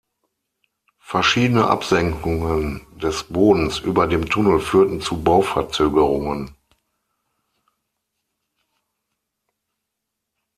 Verschiedene Absenkungen des Bodens über dem Tunnel führten zu Bauverzögerungen.